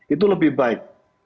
itu lebih baik